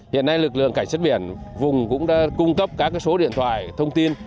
hiện nay lực lượng cảnh sát biển vùng cũng đã cung cấp các số điện thoại thông tin